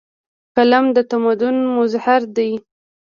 قلم د تمدن مظهر دی.